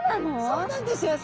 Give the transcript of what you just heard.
そうなんですよ！